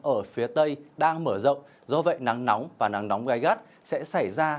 ở phía tây đang mở rộng do vậy nắng nóng và nắng nóng gai gắt sẽ xảy ra